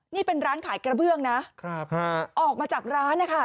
นี่เป็นร้านขายกระเบื้องนะครับออกมาจากร้านนะคะ